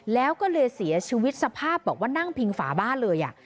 แล้วก็เลยเสียชีวิตสภาพบอกว่านั่งพิงฝาบ้านเลย